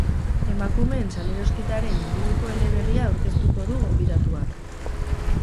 Emakumeen salerosketaren inguruko eleberria aurkeztuko du gonbidatuak.